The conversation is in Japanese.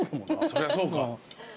そりゃそうか。